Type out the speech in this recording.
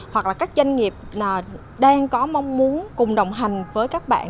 hoặc là các doanh nghiệp đang có mong muốn cùng đồng hành với các bạn